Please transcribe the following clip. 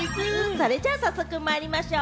それじゃ早速まいりましょう。